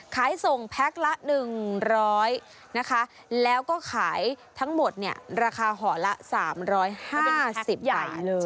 ขายส่งแพ็คละ๑๐๐นะคะแล้วก็ขายทั้งหมดเนี่ยราคาห่อละ๓๕๐ใบเลย